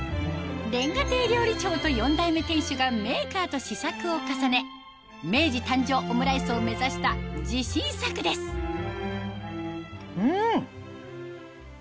煉瓦亭料理長と４代目店主がメーカーと試作を重ね明治誕生オムライスを目指した自信作ですうん！